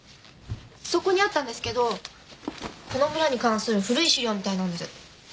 そこにあったんですけどこの村に関する古い資料みたいなんです。